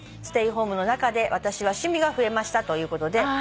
「ステイホームの中で私は趣味が増えました」ということで。